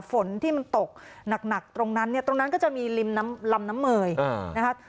ฝนที่มันตกหนักตรงนั้นเนี่ยตรงนั้นก็จะมีริมน้ำลำน้ำเมยนะคะ